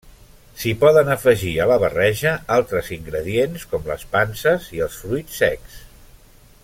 S'hi poden afegir a la barreja altres ingredients, com les panses i els fruits secs.